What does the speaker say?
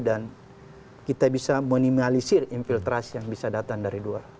dan kita bisa minimalisir infiltrasi yang bisa datang dari luar